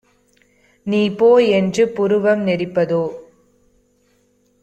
நீபோ! என்று புருவம் நெறிப்பதோ?"